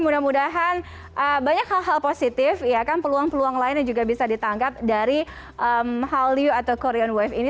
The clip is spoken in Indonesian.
mudah mudahan banyak hal hal positif peluang peluang lain yang juga bisa ditangkap dari hallyu atau korean wave ini